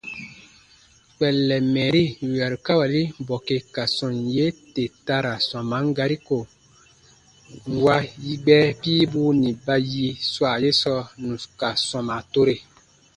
Kpɛllɛn mɛɛri yù yarukawali bɔke ka sɔm yee tè ta ra sɔman gari ko, nwa yigbɛ piibu nì ba yi swa ye sɔɔ nù ka sɔma tore.